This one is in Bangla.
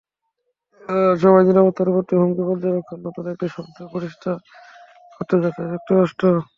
সাইবার নিরাপত্তার প্রতি হুমকি পর্যবেক্ষণে নতুন একটি সংস্থা প্রতিষ্ঠা করতে যাচ্ছে যুক্তরাষ্ট্র।